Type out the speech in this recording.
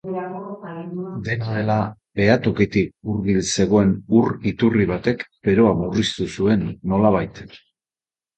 Dena dela, behatokitik hurbil zegoen ur-iturri batek beroa murriztu zuen, nolabait.